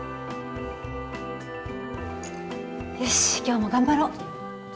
よし今日も頑張ろう！